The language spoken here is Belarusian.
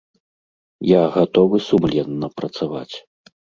Я гатовы сумленна працаваць.